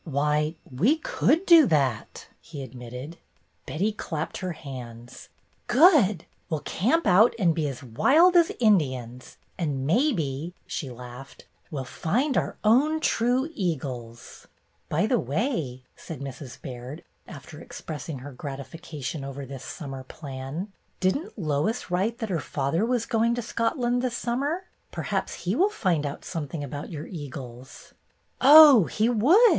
"Why, we could do that," he admitted. Betty clapped her hands. "Good! We 'll camp out and be as wild at Indians, and maybe," she laughed, "we 'll find our own true eagles." "By the way," said Mrs. Baird, after ex pressing her gratification over this summer plan, "didn't Lois write that her father was going to Scotland this summer? Perhaps he will find out something about your eagles." "Oh, he would!